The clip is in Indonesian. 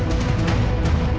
pusat yang sakit